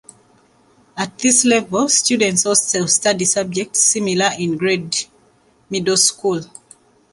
At this level, students also study subjects similar in grade middle school.